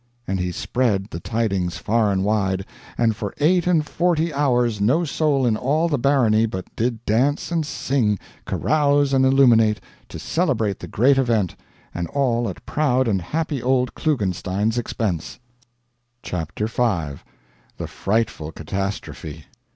And he spread the tidings far and wide, and for eight and forty hours no soul in all the barony but did dance and sing, carouse and illuminate, to celebrate the great event, and all at proud and happy old Klugenstein's expense. CHAPTER V. THE FRIGHTFUL CATASTROPHE.